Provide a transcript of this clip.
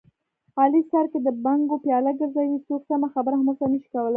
علي سر کې د بنګو پیاله ګرځوي، څوک سمه خبره هم ورسره نشي کولی.